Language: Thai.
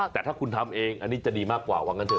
แต่ถ้าคุณทำเองอันนี้จะดีมากกว่าว่างั้นเถ